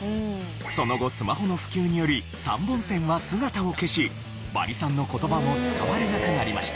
その後スマホの普及により３本線は姿を消しバリ３の言葉も使われなくなりました。